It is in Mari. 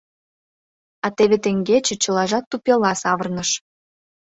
А теве теҥгече чылажат тупела савырныш.